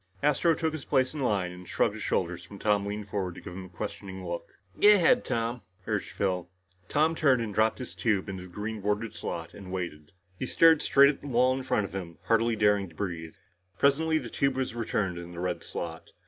Astro took his place in line and shrugged his shoulders when Tom leaned forward to give him a questioning look. "Go ahead, Tom," urged Phil. Tom turned and dropped his tube into the green bordered slot and waited. He stared straight at the wall in front of him, hardly daring to breathe. Presently, the tube was returned in the red slot.